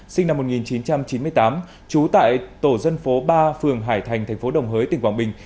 sinh năm một nghìn chín trăm chín mươi tám trú tại tổ dân phố ba phường hải thành thành phố đồng hới tỉnh quảng bình